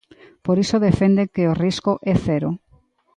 Por iso defende que o risco é cero.